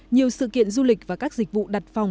nhiều sự kiện du lịch và các dịch vụ đặt phòng